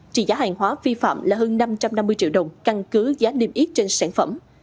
trị giá hàng hóa vi phạm là hơn năm trăm năm mươi triệu đồng căn cứ giá niêm yết trên sản phẩm